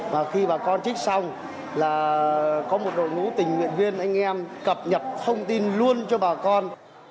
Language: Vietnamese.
và khi bà con trích xong là có một đội ngũ tình nguyện viên anh em cập nhật thông tin luôn cho bà con